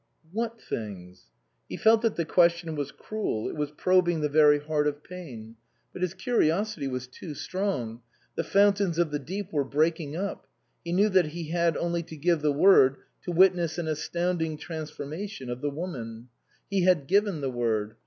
" What things ?" He felt that the question was cruel, it was probing the very heart of pain. But his curiosity was too strong. The fountains of the deep were breaking up ; he knew that he had only to give the word to witness an astounding transformation of the woman. He 79 THE COSMOPOLITAN had given the word.